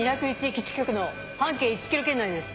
基地局の半径１ｋｍ圏内です。